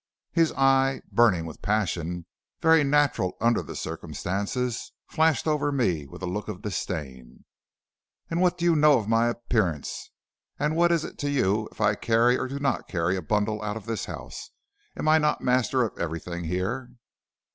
"His eye, burning with a passion very natural under the circumstances, flashed over me with a look of disdain. "'And what do you know of my appearance, and what is it to you if I carry or do not carry a bundle out of this house? Am I not master of everything here?'